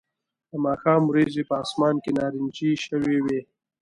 د ماښام وریځې په آسمان کې نارنجي شوې وې